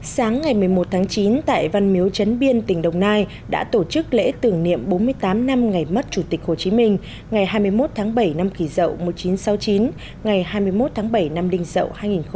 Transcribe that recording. sáng ngày một mươi một tháng chín tại văn miếu trấn biên tỉnh đồng nai đã tổ chức lễ tưởng niệm bốn mươi tám năm ngày mất chủ tịch hồ chí minh ngày hai mươi một tháng bảy năm kỳ dậu một nghìn chín trăm sáu mươi chín ngày hai mươi một tháng bảy năm đinh dậu hai nghìn một mươi chín